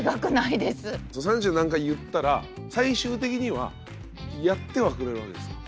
じゃあ三十何回言ったら最終的にはやってはくれるわけですか。